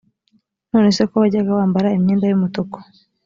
none se ko wajyaga wambara imyenda y’umutuku?